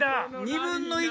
２分の１！